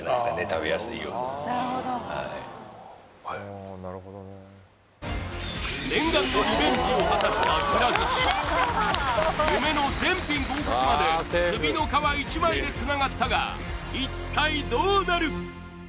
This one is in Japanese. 食べやすいようにはい念願のリベンジを果たしたくら寿司夢の全品合格まで首の皮一枚でつながったが一体どうなる？